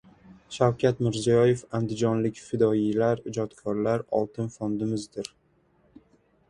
Shavkat Mirziyoyev: Andijonlik fidoyilar, ijodkorlar- "Oltin fondimiz" dir